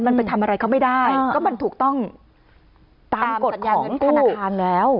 มันไปทำอะไรเขาไม่ได้ก็มันถูกต้องตามกฎของธนาคารแล้ว